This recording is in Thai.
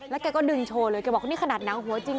แกก็ดึงโชว์เลยแกบอกนี่ขนาดหนังหัวจริง